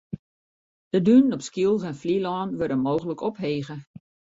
De dunen op Skylge en Flylân wurde mooglik ophege.